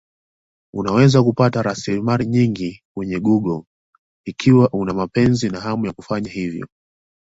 Unaweza kupata rasilimali nyingi kwenye Google ikiwa una mapenzi na hamu ya kufanya hivyo.